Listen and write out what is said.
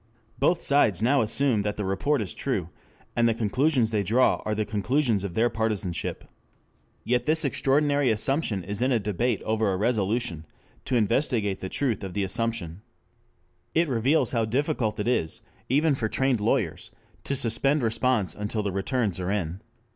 Both sides now assume that the report is true, and the conclusions they draw are the conclusions of their partisanship. Yet this extraordinary assumption is in a debate over a resolution to investigate the truth of the assumption. It reveals how difficult it is, even for trained lawyers, to suspend response until the returns are in.